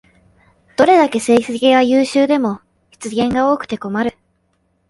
どれだけ成績が優秀でも失言が多くて困る